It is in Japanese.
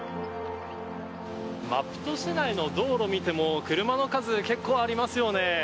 マプト市内の道路を見ても車の数結構ありますよね。